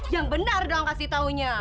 yang bener donkah tau nya